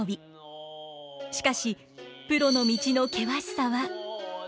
しかしプロの道の険しさは。